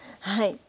はい。